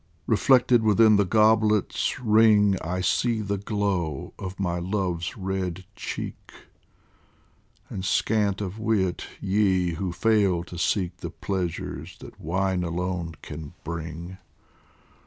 Reflected within the goblet's ring I see the glow of my Love's red cheek, And scant of wit, ye who fail to seek The pleasures that wine alone can bring